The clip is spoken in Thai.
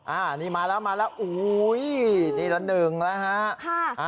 อ่านี่มาแล้วมาแล้วโหนี่ละ๑แล้วฮะ